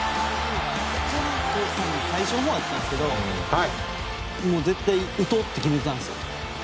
最初のほうやったんですけど絶対に打とうって決めてたんですよ。